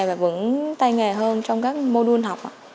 và vững tay nghề hơn trong các mô đun học